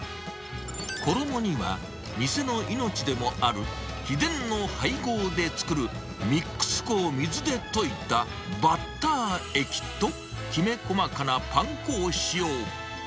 衣には、店の命でもある秘伝の配合で作るミックス粉を水で溶いたバッター液と、きめ細かなパン粉を使用。